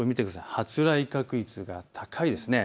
発雷確率が高いですね。